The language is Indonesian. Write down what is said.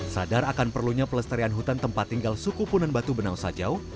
sadar akan perlunya pelestarian hutan tempat tinggal suku punan batu benau sajau